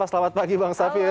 selamat pagi bang safir